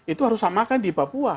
itu harus saya makan di papua